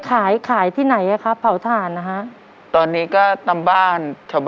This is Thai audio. จากจังหวัดนครของปฐมท์ครับ